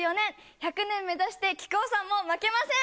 １００年目指して、木久扇さんも負けません。